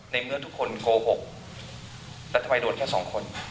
ในเมื่อทุกคนโกหกแล้วทำไมโดนแค่สองคน